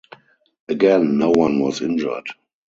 Again, no one was injured.